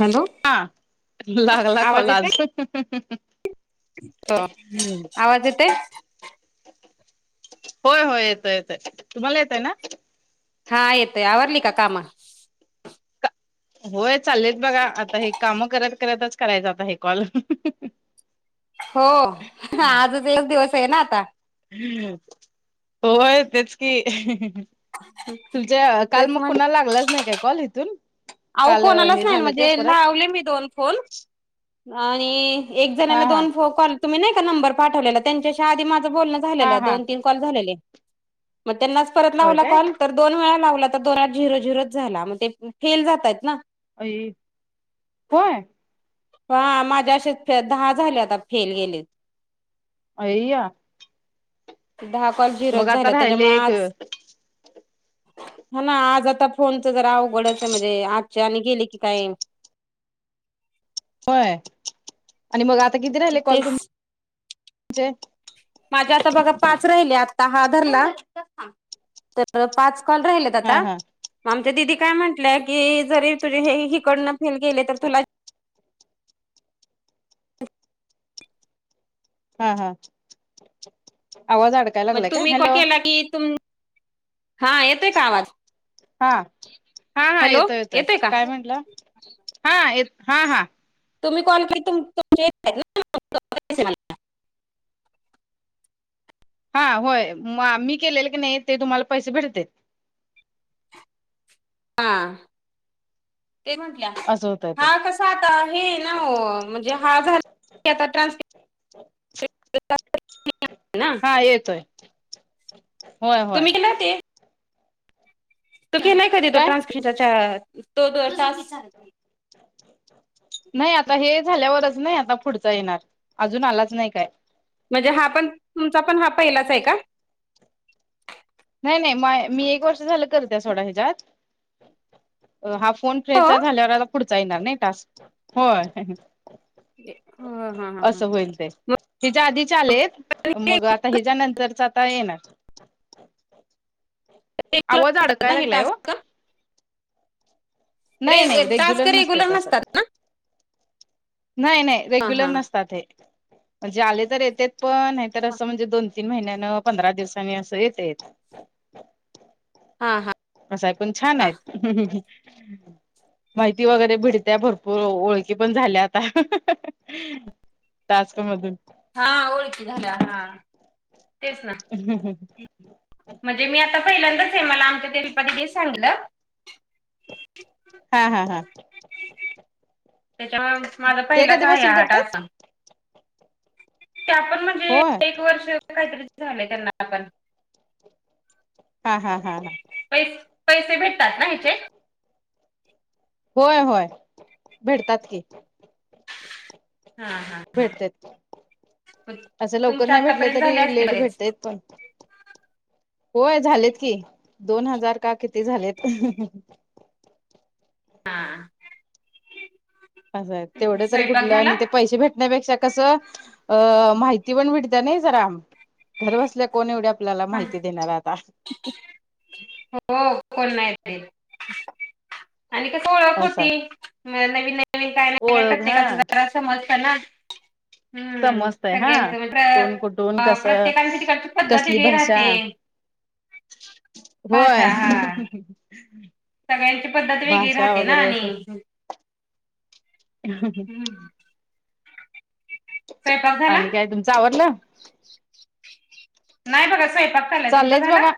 Hello हा लागला call आज. आता आवाज येतेय. होय होय येतंय येतंय तुम्हाला येतंय ना. हा येतय आवरली का कामं. होय चाललेत बघा आता हे कामं करत करतच करायचा आता हे कॉल. हो आजच एक दिवस आहे ना आता. हम्म होय तेच की. तुमचं काल तेच मग म्हण कोणाला लागलाच नाही काय कॉल इथून. अहो काल कोणालाच हे नाही झालं म्हणजे ते परत लावले मी दोन फोन. आणि एक हा जणाला हा दोन फो कॉल तुम्ही नाही का नंबर पाठवलेला त्यांच्याशी आधी माझं बोलणं. हा झालेलं हा दोन-तीन कॉल झालेले मग त्यांनाच परत होय लावला काय कॉल तर. दोन वेळा लावला तर दोनात झिरो झिरोच झाला मग ते फेल जातय ना. आई होय. हा माझे असे फे दहा झालेत आता फेल गेलेत. आय्या. दहा कॉल झिरोज आता झालेत राहिले त्याच्यामुळे एक आज. हा ना आज आता फोनच जरा अवघडच आहे म्हणजे आजचे आणि गेले की काय. होय आणि मग आता किती राहिले कॉल तेच तुमचे. माझे आता बघा पाच राहिले आता हा धरला तर पाच कॉल राहिलेत. हा आता हा मग आमच्या दिदी काय म्हंटल्या की जरी तुझे हे ही इकडनं फेल गेले तर तुला. हा हा आवाज आडक म्हणजे तुम्ही कॉल केला की तुम हा येतोय का आवाज. हा हा हा हॅलो येतोय येतोय का काय म्हंटला हा येत हा हा. तुम्ही कॉल [inaudible] हा होय मा मी केलेले की नाही ते तुम्हाला पैसे भेटते. हा ते म्हण ल्या असं होतं ते हा कसा आता हे ना ओ म्हणजे हा झाला. ते आता ट्रान्सक्रिप [inaudible] ना! हा येतोय. होय होय तुम्ही केलं, ते? तू केलाय कधी तो काय ट्रान्सक्रिपशनचा दो तो टास्क? नाही आता हे झाल्यावरच, नाही आता पुढचा येणार. अजून आलाच नाही काय. म्हणजे हा पण, तुमचा पण हा पहिलाच आहे का? नाही-नाही म-मी, एक वर्ष झालं करते सोडा ह्याच्यात. हा फोन हो. फ्रेंडचा झाल्यावर, आता पुढचा येणार नाही टास्क? होय. ह हा हा हा. असं, होईल ते. तिच्या आधीचे आलेत, मग आता हेच्या नंतरचा आता येणार. रेग्युलर आवाज, ना अडकाय हे लागलाय ओ. टास्क नाही रे-रे नाही टास्क नसते रेग्युलर नसतात. ना? नाही-नाही, हा रेग्युलर हा नसतात हे. म्हणजे आले तर येतेत पण, नाही तर असं म्हणजे दोन तीन महिन्यानं, पंधरा दिवसांनी असं येतेत. हा.. हा. कस आहे? पण, छान हा. आहेत. माहिती वगैरे भेटत्या, भरपूर ओळखी पण झाल्यात. टास्क मधून. हा ओळखी झाल्या, हा. तेच ना. हम् हम हम्. म्हणजे मी आता, पहिल्यांदाच हे मला आमच्या ते दीपा दिदीनं सांगितलं. हा हा हा त्याच्यामुळे माझा ते एखादीी बसून करतात. ते आपण म्हणजे होय एक वर्ष काहीतरी झालंय त्यांना आपण. हा हा हा हां. पै पैसे भेटतात ना ह्याचे. होय होय भेटतात की. हा हा भेटत्यात. असं लवकर तुमचे नाही भेटले आतापर्यंत झाले तरी असतील लेट बरेच. भेटतात पण. होय झालेत कि दोन हजार का किती झालेत. हा. असं आहे तेवढं तर स्वयंपाक कुठलं झाला? आणि ते पैसे भेट. ण्यापेक्षा कसं अ माहिती पण भेटत नाही जरा. घर बसल्या कोण एवढ्या आपल्याला माहिती देणार आहे आता हो, कोण नाही ते? आणि कसं? ओळख होती, असंय नवीन-नवीन काय नाही काय ओळख हा प्रत्येकाचं जरा समजत ना! हम्म्.. समजतय हा सगळ्यांचं म्हणजे कोण कुठून कसं प्र-प्रत्येकांची तिकडची पद्धत कसली वेगळी भाषा राहते. ह. होय. सगळ्यांची पद्धत वेगळी भाषा राहते ना वगैरे आणि ह ह. हम्! स्वयंपाक झाला? आणि काय तुमचं आवरल. नाही बघा स्वयंपाक झालाय. तुमचा चाललेयच झाला? बघा.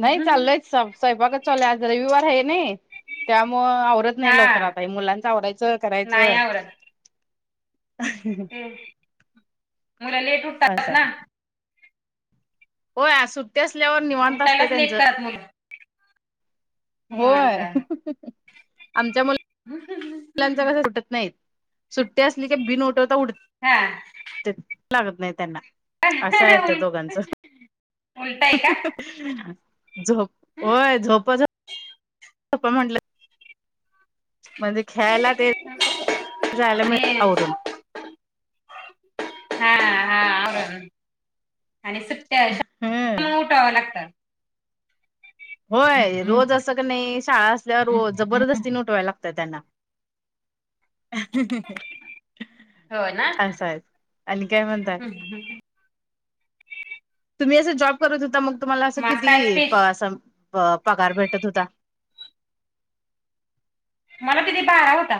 नाही चालय स्वयंपाक चालयं आज रविवार आहे नाही त्यामुळ आवर हा नाही लवकर आता मुलांच आवरायचं नाही करायचं. आवरत. हा, मुलं लेट उठतात असं ना. आहे. होय, आज सुट्टी असल्यावर निवांत असतं उठायलाच लेट त्यांचं. करतात मुलं होय निवांत. आमच्या मु हा मुलांचा कस उठत नाहीत. सुट्टी असली की बिन उठवता उठ हा. ते लागत नाही त्यांना असं आहे ते त्या उल दोघांचं. उलट आहे का झोप होय झोप झ म्हटलं म्हणजे खेळायला ते जायला आणि मिळत आवरून हा हा आवरून आणि हम्म सुट्ट्या उठव लागत. होय, हम्म. रोज असं का नाही शाळा असल्यावर रोज जबरदस्ती उठवायला लागतय त्यांना. हो ना आस हाय आणि काय म्हणताय? हम्म. तुम्ही असं जॉब करत होता मग तुम्हाला असं माझ किती काय स्पेश पगार भेटत होता? मला किती बारा होता.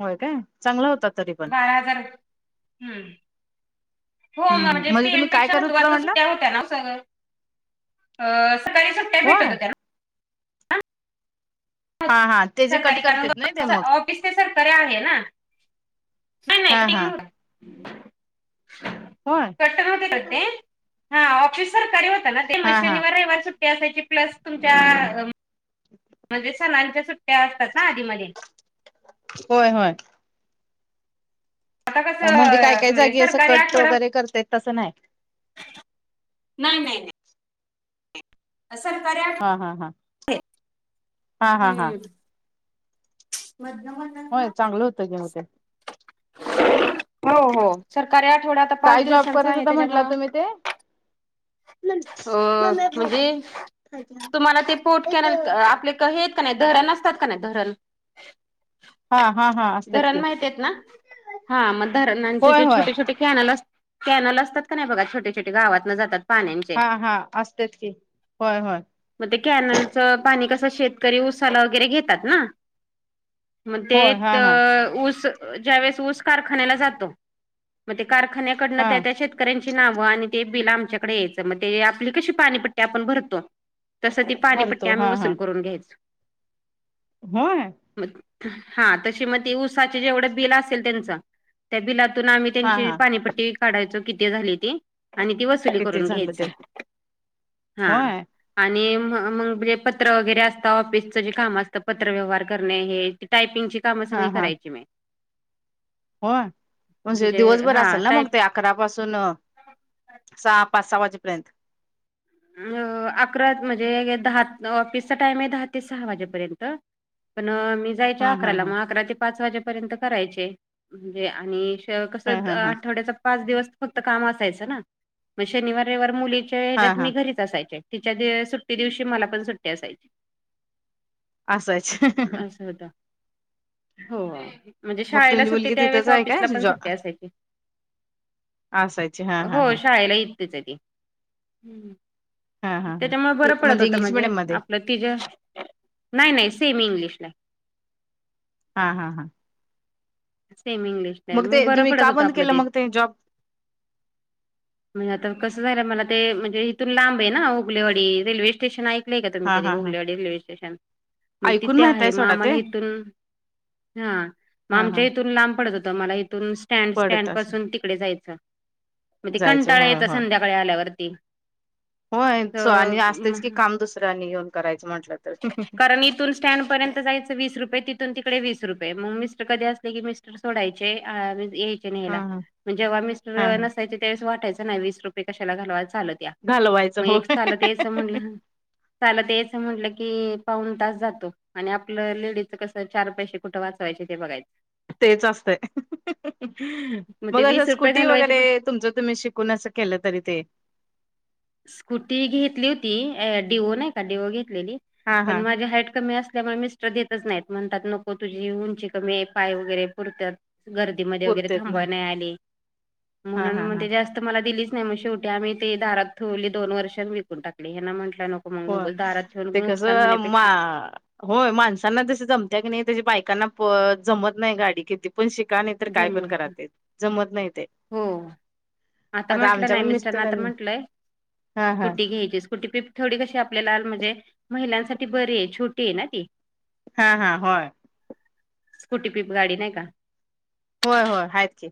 होय काय? चांगला होता तरी. पण बारा हजार, हम्म! हम्म हम्म म्हणजे तुम्ही काय करत होता म्हटलं [unintelligible] अ सकाळी सुट्ट्या भेटत होय होत्या ना हा हा तेजे कट सरकारी करते कारण ना ते मग? ऑफिस ते सरकारी आहे ना नाही नाही हा कटिंग हा. [inaudible] होय? कस माहिती काय ते? हा ऑफिस सरकारी होत ना ते. म हा हा शनिवार, रविवार सुट्टया त्या साठी प्लस तुमच्या [inaudible] म्हणजे सणंच्या सुट्ट्या असतात ना आधीमधी होय होय. आता कसं म्हणजे काय अं, काय म्हणजे जागी असं सरकारी कट आठवडा वगैरे करतायत तसं नाही? नाही नाही नाही. [unintelligible] हा हा. [unintelligible] हा हा हा. मधन मधन होय? चांगलं होत की मग ते. हो हो. सरकारी आठवड्या आता पाच काय जॉब दिवसांचा करत आहे होता तेज्यामूळ म्हंटला तुम्ही ते अ म्हणजे तुम्हाला ते पोट कॅनल आपले हे का नाही धरण असतात का नाही धरण हा हा हा असतात की धरण माहितेयत ना? हा मग धरणचे होय जे होय छोटे छोटे कॅनल अस कॅनल असतात का नाही बघा छोटे छोटे गावात न जातात पाण्याचे हा हा. असतेत की होय होय. मग ते कॅनलचं पाणी कसं शेतकरी उऊसाला वगैरे घेतात ना. मग ते होय हा हा ऊस ज्यावेेळेस ऊस कारखान्याला जातो. मग ते कारखान्याकडनं हा त्या त्या शेत शेतकऱ्यांची नावं आणि ते बिल आमच्याकडे यायचं. मग ते आपली कशी पाणीपट्टी आपण भरतो. तसं ती पाणीपट्टी भरतो आम्ही हा हा वसूल करून घ्यायचो. होय? मग हा तशी मग ते ऊसाचे जेवढं बिल असेल त्यांच त्या बिलातून आम्ही हा त्यांची हा पाणीपट्टी काढायचो किती झाली ती आणि ती वसु सुल किती करून झालं घ्यायच ते हा. होय आणि म मगजे पत्र वगैरे असत ऑफिसचं जे काम असतं पत्र व्यवहार टायपिंग ची हा सगळी काम हा करायची मी होय? म्हणजे दिवसभर हा असेल ना टायपिंग मग ते? अकरा पाासून अ सहा, पाच, सहा वाजेपर्यंत. अ अकरा म्हणजे दहा ऑफिसचा टाइम आहे दहा ते सहा वाजेपर्यंत. पण मी जायचे हा हा अकराला हा मग अकरा ते पाच वाजेपर्यंत करायचे म्हणजे आणि. हा हा हा आठड पाच दिवस फक्त काम असायच श. हा च्यात हा मी घरीच असायचे तिच्या सुट्टी दिवशी मला पण सुट्टी असायची. असाच. ता. हो म्हणजे मग शाळेला तुमची सुट्टी मुलगी तिथंच त्यावेळेस आहे काय ऑफिसला पण जॉ सुट्टी असायची. असायची हा हा हो हा शाळेला येतच आहे ती. ह् हा हा हा त्याच्यामुळे इ बरं पडत होतं इंग्लिश म्हणजे मिडियम मध्ये आपलं. ति नाही नाही सेम इंग्लिशला. हा हा हा. सेम इंग्लिशला मग ते बर तुम्ही पडत का होत बंद आपलं केलं ते. मग जॉब म्हणजे आता कसं झालं मला ते म्हणजे इथून लांब आहे ना उगलेवाडी रेल्वे स्टेन ऐक. का तुम्ही हा कधी हा हा घोलेडी रेल्वे स्टेशन मग ऐकून तिथे माहित आहे मग सोडा ते आम्हाला इथून. हा मग हा हा आमच्या इथून लांब पडत होतं मला इथून. स्टँड पडत स्टँड असं पासून तिकडे जायचं. मग ते जायचं कंटाळा होय यायचा होय संध्याकाळी आल्यावरती. होय आणि असतेच तर की काम दुसऱ्यानी येेऊन करायचं म्हंटलं तर. कारण इथून स्टँड पर्यंत जायचं वीस रुये तिथून तिकडे वीस रुपे मग मिस् कध अस. मिस्टर सोडायचे. हा हा जेव्हा मि हा हा नसायवळे वाटयचं नाही वीस रुपये कशाला घलवा चालत. घालवायचं मग हो एक चालत यायचं म्हणलं चालत यायचं म्हटलं की पाऊन तास जातो. आणि आपलं लेडीच कसं चार पैसे कुठं वाचवायचे ते बघायचं तेच असतंय ते मग असं वीस रुपये स्कूटी घालवायच्या वगैरे पेक्षा तुमच तुम्ही शिकून असं केलं तरी ते. स्कूटी घेतली होती अ डीओ नाही का डीओ घेतलेली. हा पण हा माझी हाईट कमी असल्यामुळे मिस्टर देतच नाहीत म्हणतात नको तुझी उंची कमी आहे. पाय वगैरे पुरत्यात गर्दीमध्ये वगैरे पुरतेत ना थांबवाय नाही आली हा म्हणून हा मग हा ते जास्त मला दिलीच नाही मग शेवटी आम्ही ते दारात खोली दोन वर्षांन विकून टाकली हे ना म्हटलं नको. मग हो उगाच दारात ठेवून ते नुकसान कसं मा होण्यापेक्षा हो माणसांना तशी जमत्या की नाही त्याशी बायकांना जमत नाही गाडी किती. पण शिका नाही तर काय जमत पण नाही. कराात जमत नाही ते. हो आता म्हटलं आमच्या नाही पण मिस्टरने आता मिस्टरांनी म्हटलंय हा हा स्कुटी घ्यायची स्कुटी पि. थोडी कशी आपल्याला म्हणजे महिलांसाठी बरी आहे छोटी आहे ना ती. हा हा ह स्कुटी पिप गाडी नाही का होय होय आहेच.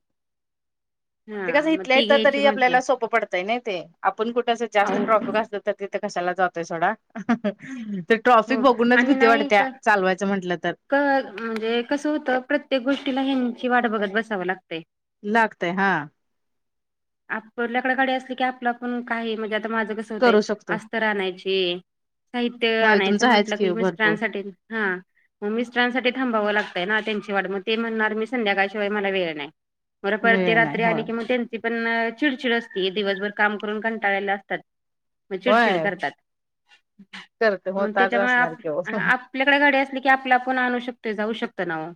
हा ते कसं मग इथल्या ती इथ घ्यायची तरी म्हंटलं आपल्याला सोपं पडतंय नाही ते आपण कुठं जास्त अहो ट्रॉफिक असत. तिथे कशाला जातोय सोडा. तर ट्रॉफिक हो बघूनच आणि भीती नाही क वाटते चालवायचं म्हटलं तर. म्हणजे कसं होतं प्रत्येक गोष्टीला हेनची ची वाट बघत बसावं लागतंय. लागतय हा आपरल्याकडे गाडी असली की आपला पण काय म्हणजे आता माझं कस. अस होतय करू शकतोय अस्तर आणायची साहित्य होय आणायच तुमचं आहेच म्हंटलं की भरपूर मिस्टरांसाठी हा मग मिस्टरांसाठी थांबावं लागतंय ना त्यांची वाट मग ते म्हणणार मी संध्याकाळशिवाय मला वेळ नाही. बर परती मिळे नाही रात्री होय आली की मग त्यां. पण चिडचिड असती दिवसभर काम करून कंटाळायला असतात. म चिडचिड होय करतात करते मग होताच त्याच्यामुळे असणार की आपन. ओ आपल्याकडे गाडी असली की आपल आपण आणू शकतोय जाऊ शकतो ना ओ.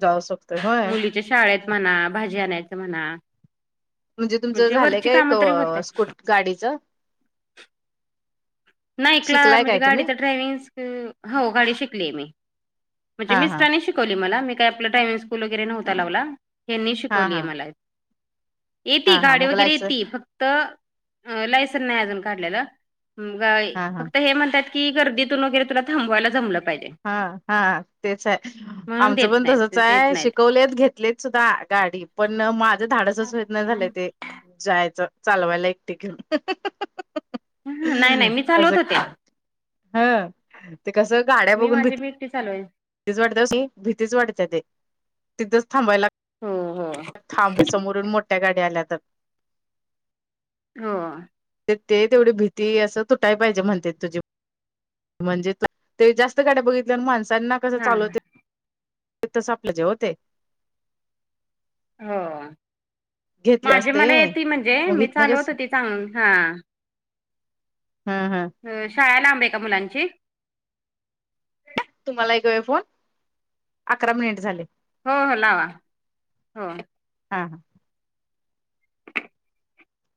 जाऊ सकतोय होय. म्हणजे शाळेत म्हणा भाजी आणायचं म्हणा. म्हणजे तुमचं झालंय वरची काय एक कामं तरी होतात. स्कुट गाडीच. नाही ऐकला शिकलाय म्हणजे काय तुम्ही गाडीच ड्रायविंग स हो गाडी शिकली आहे मी. म्हणजे हा हा मिस्टरांनी शिकवली मला मी काही आपलं ड्रायव्हिंग स्कूल वगैरे नव्हता लावला ह्यांनी हा शिकवलीय हा मला. येती हा हा गाडी मग वगैरे लायसन येते फक्त लायसन नाही अजून काढलेल. हा हा फक्त हे म्हणतात की गर्दीतून वगैरे तुला थांबवायला जमलं पाहिजे. हा हा तेच आहे म्हणून आमचं देत पण तसच नाहीत देत आहे नाहीत. शिकवलेत घेत. शिकलेत सुद्धा गाडी पण माझं धाडसच व्हयत नाही झालंय ते जायचं चालवायला एकटी घेऊन नाही नाही [unintelligible] मी चालवत असक होते ह ते कस गाड्या - मी माझी भेटती चालुय भीतीच वाटत भीतीच वाटत्या ते. तिथंच थांबवायला हो हो थांब समोरून मोठ्या गाड्या आल्या तर होय ते तेवढी भीती असं तुटाय पाहिजे म्हणत्यात तुझी. म्हणजे ते जास्त गाड्या बघितल्या आणि माणसांना कसं हा चालवतय. ते तस आपल्या जे होते हो घेतले माझी असते मला येती म्हणजे मग मी इथनं कस चालवतं होती चांग हां. हा हा हो शाळा लांब आहे का मुलांची. तुम्हाला ऐकया फोन अकरा मिनिट झाले हो हो लावा हो हा हा